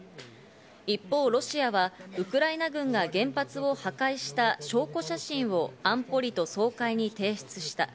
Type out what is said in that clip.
一方ロシアは、ウクライナ軍が原発を破壊した証拠写真を安保理と総会に提出した。